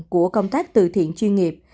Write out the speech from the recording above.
của công tác từ thiện chuyên nghiệp